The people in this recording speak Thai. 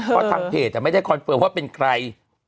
เพราะทางเพจไม่ได้คอนเฟิร์มว่าเป็นใคร